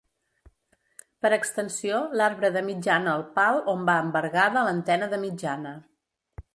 Per extensió l’arbre de mitjana el pal on va envergada l'antena de mitjana.